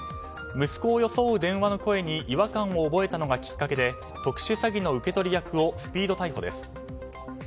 息子を装う電話の声に違和感を覚えたのがきっかけで特殊詐欺の受け取り役をスピード逮捕です。